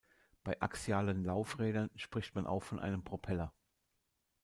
Bei axialen Laufrädern spricht man auch von einem Propeller.